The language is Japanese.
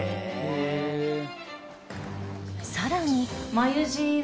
さらに